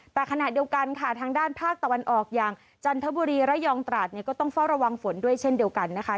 แต่ขณะเดียวกันค่ะทางด้านภาคตะวันออกอย่างจันทบุรีระยองตราดเนี่ยก็ต้องเฝ้าระวังฝนด้วยเช่นเดียวกันนะคะ